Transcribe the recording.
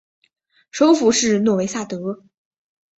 首府是诺维萨德。